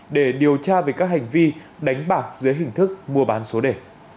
để điều tra về các hành vi đánh bạc dưới hình thức mua bán số đề